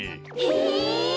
へえ。